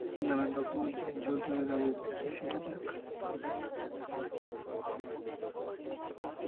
জামাইবাবু যে যৌতুকে গাড়ি পেয়েছে, সেটা দ্যাখ।